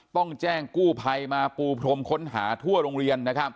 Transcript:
ต้องแจ้งกู้ภัยมาปูพรมค้นหาทั่วโรงเรียน